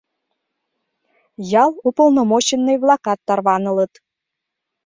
Ял уполномоченный-влакат тарванылыт.